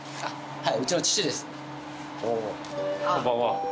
はい。